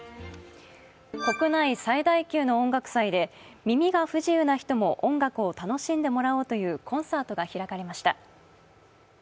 国内最大級の音楽祭で耳が不自由な人も音楽を楽しんでもらおうというコンサートが開かれました。